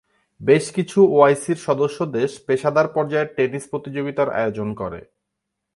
বেশকিছু ওআইসির সদস্য দেশ পেশাদার পর্যায়ের টেনিস প্রতিযোগিতার আয়োজন করে।